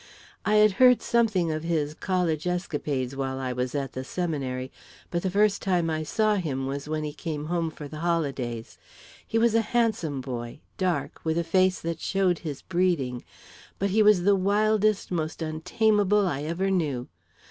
I had heard something of his college escapades while I was at the seminary, but the first time I saw him was when he came home for the holidays. He was a handsome boy, dark, with a face that showed his breeding; but he was the wildest, most untamable I ever knew.